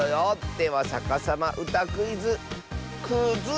では「さかさまうたクイズ」くづつ。